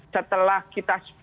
setelah kita full sehat